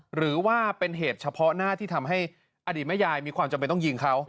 หรือว่าเป็นเหตุเฉพาะหน้าที่ทำให้อดีตแม่ยายมีความจำเป็นต้องยิงเขา